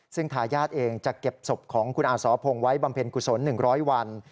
ซึ่งทายาทเองจะเก็บศพของคุณอาสอพงศ์ไว้บำเพ็ญกุศล๑๐๐วัน